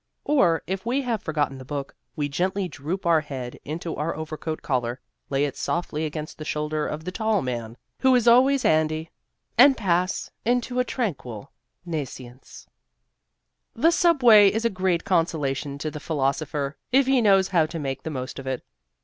Or, if we have forgotten the book, we gently droop our head into our overcoat collar, lay it softly against the shoulder of the tall man who is always handy, and pass into a tranquil nescience. The subway is a great consolation to the philosopher if he knows how to make the most of it.